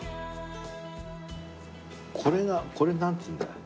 これがこれなんて言うんだい？